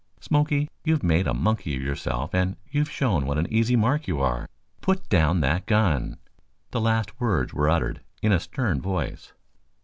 Smoky, you've made a monkey of yourself and you've shown what an easy mark you are. Put down that gun!" The last words were uttered in a stern voice.